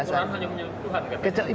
tapi kesempurnaan hanya punya tuhan kan